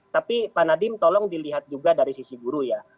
tapi pak nadiem tolong dilihat juga dari sisi guru ya